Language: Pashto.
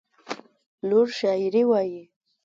لور شاعري وايي.